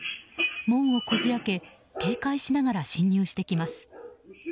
門をこじ開け警戒しながら侵入してきます。